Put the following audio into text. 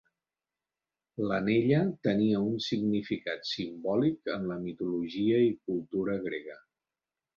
L'anella tenia un significat simbòlic en la mitologia i cultura grega.